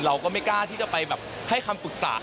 เราก็ไม่กล้าที่จะไปแบบให้คำปรึกษา